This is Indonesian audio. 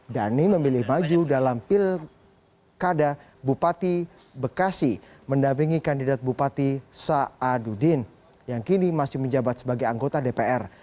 dhani memilih maju dalam pilkada bupati bekasi mendampingi kandidat bupati saadudin yang kini masih menjabat sebagai anggota dpr